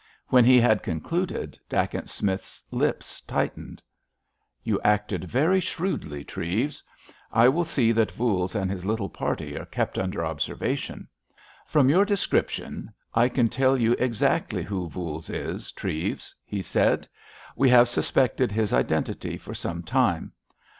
When he had concluded Dacent Smith's lips tightened. "You acted very shrewdly, Treves. I will see that Voules and his little party are kept under observation. From your description, I can tell you exactly who Voules is, Treves," he said. "We have suspected his identity for some time.